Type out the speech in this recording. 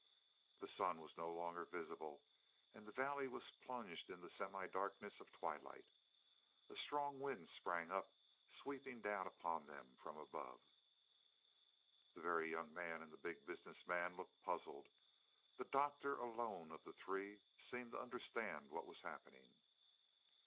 The sun was no longer visible, and the valley was plunged in the semidarkness of twilight. A strong wind sprang up, sweeping down upon them from above. The Very Young Man and the Big Business Man looked puzzled; the Doctor alone of the three seemed to understand what was happening.